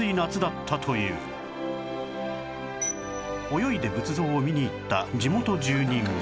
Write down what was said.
泳いで仏像を見に行った地元住人は